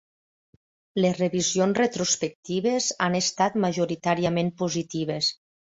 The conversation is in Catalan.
Les revisions retrospectives han estat majoritàriament positives.